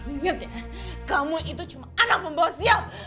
ingat ya kamu itu cuma anak pembawa siap